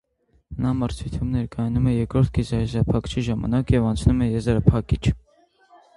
Նա մրցույթում ներկայանում է երկրորդ կիսաեզրափակչի ժամանակ և անցնում է եզրափակիչ։